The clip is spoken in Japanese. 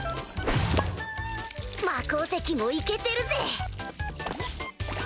魔鉱石もイケてるぜ！